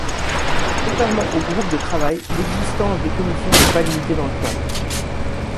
Contrairement aux groupes de travail l’existence des commissions n’est pas limitée dans le temps.